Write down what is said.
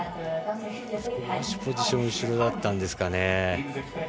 少し足、ポジション後ろだったんですかね。